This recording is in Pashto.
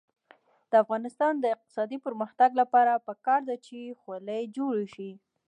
د افغانستان د اقتصادي پرمختګ لپاره پکار ده چې خولۍ جوړې شي.